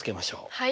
はい。